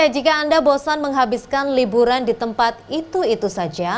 jika anda bosan menghabiskan liburan di tempat itu itu saja